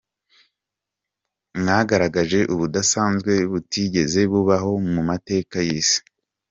Mwagaragaje ubudasanzwe butigeze bubaho mu mateka y’Isi.